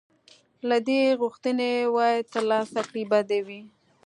که دې غوښتي وای ترلاسه کړي به دې وو.